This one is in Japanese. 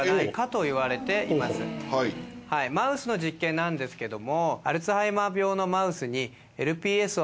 マウスの実験なんですけども。